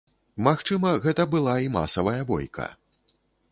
Магчыма, гэта была і масавая бойка.